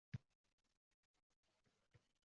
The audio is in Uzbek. Arabic